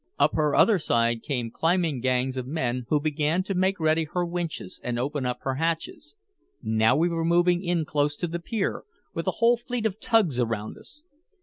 Up her other side came climbing gangs of men who began to make ready her winches and open up her hatches. Now we were moving in close to the pier, with a whole fleet of tugs around us.